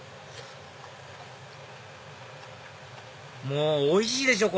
もうおいしいでしょ！